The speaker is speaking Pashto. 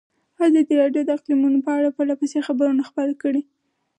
ازادي راډیو د اقلیتونه په اړه پرله پسې خبرونه خپاره کړي.